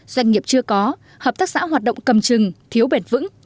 doanh nghiệp chưa có hợp tác xã hoạt động cầm chừng thiếu bền vững